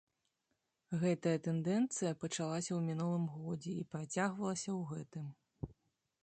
Гэтая тэндэнцыя пачалася ў мінулым годзе і працягвалася ў гэтым.